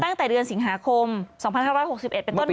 ตั้งแต่เดือนสิงหาคม๒๕๖๑เป็นต้นไป